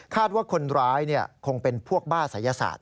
คาดว่าคนร้ายเนี่ยคงเป็นพวกบ้าศัยศาสตร์